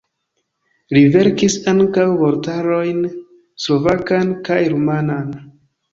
Li verkis ankaŭ vortarojn: slovakan kaj rumanan.